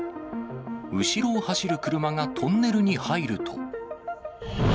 後ろを走る車がトンネルに入ると。